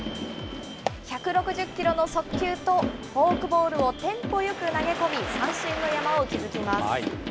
１６０キロの速球と、フォークボールをテンポよく投げ込み、三振の山を築きます。